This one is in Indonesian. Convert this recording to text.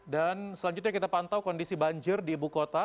dan selanjutnya kita pantau kondisi banjir di ibu kota